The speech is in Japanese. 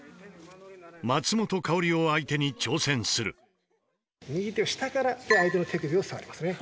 松本薫を相手に挑戦する右手を下から相手の手首を触りますね。